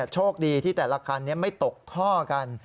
โชคดีที่แต่ละคันไม่ตกท่อกัน